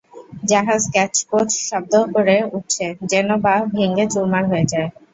জাহাজ ক্যাঁচ কোঁচ শব্দ করে উঠছে, যেন বা ভেঙে চুরমার হয়ে যায়।